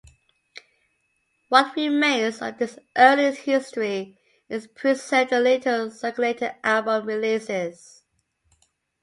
What remains of this early history is preserved in little-circulated album releases.